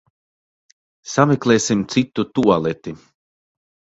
Sameklēsim citu tualeti.